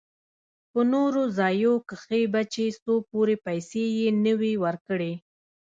په نورو ځايو کښې به چې څو پورې پيسې يې نه وې ورکړې.